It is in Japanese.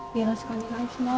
お願いします。